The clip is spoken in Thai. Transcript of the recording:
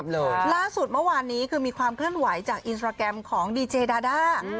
ล่าสุดเมื่อวานนี้คือมีความเคลื่อนไหวจากอินสตราแกรมของดีเจดาด้า